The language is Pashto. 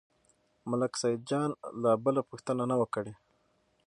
ملک سیدجان لا بله پوښتنه نه وه کړې.